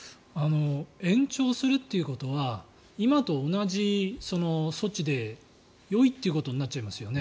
延長するということは今と同じ措置でよいってことになっちゃいますよね。